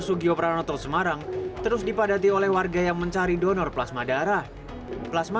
sugiopranoto semarang terus dipadati oleh warga yang mencari donor plasma darah plasma